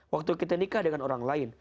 waktu kita nikah dengan orang lain